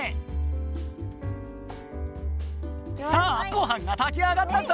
さあごはんが炊き上がったぞ！